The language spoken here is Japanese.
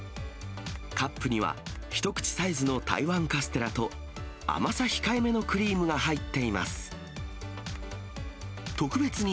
カップには一口サイズの台湾カステラと、甘さ控えめのクリームが入っています。